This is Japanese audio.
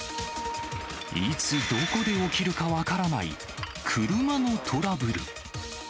いつどこで起きるか分からない、車のトラブル。